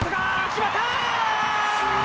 決まった！